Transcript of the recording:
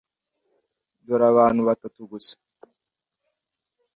Dore Abantu batatu gusa?